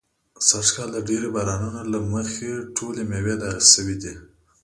سږ کال د ډېرو بارانو نو له مخې ټولې مېوې داغي شوي دي.